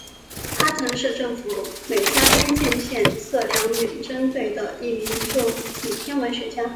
他曾是政府的美加边境线测量远征队的一名助理天文学家。